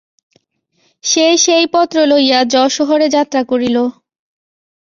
সে সেই পত্র লইয়া যশোহরে যাত্রা করিল।